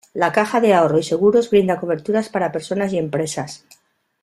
La Caja de Ahorro y Seguros brinda coberturas para personas y empresas.